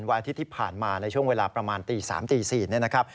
อาทิตย์ที่ผ่านมาในช่วงเวลาประมาณตี๓ตี๔เนี่ยนะครับ